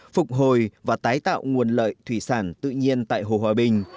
phục hồi và tái tạo nguồn lợi thủy sản tự nhiên tại hồ hòa bình